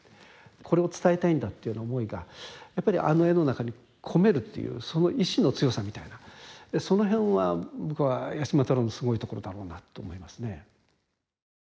これを伝えたいんだっていう思いがやっぱりあの絵の中に込めるっていうその意志の強さみたいなその辺は僕は八島太郎のすごいところだろうなと思いますね。